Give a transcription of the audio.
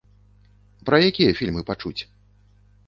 Пра якія фільмы пачуць?